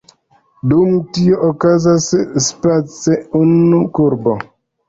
Dum tio okazas space unu kurbo.